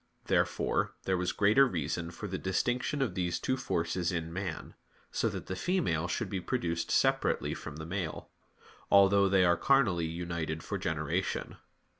Therefore there was greater reason for the distinction of these two forces in man; so that the female should be produced separately from the male; although they are carnally united for generation.